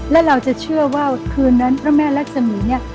และเราจะเชื่อว่าคืนนั้นพระแม่รักษมีเนี่ย